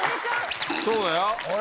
そうだよ。